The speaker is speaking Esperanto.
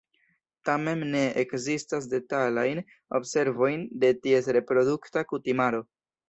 Tamen ne ekzistas detalajn observojn de ties reprodukta kutimaro.